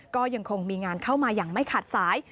ก็ยังคงมีงานเข้ามาอย่างไม่ขาดสาย